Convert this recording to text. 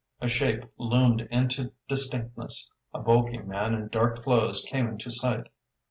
A shape loomed into distinctness. A bulky man in dark clothes came into sight.